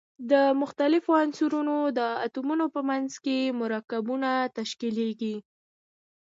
د مختلفو عنصرونو د اتومونو په منځ کې مرکبونه تشکیلیږي.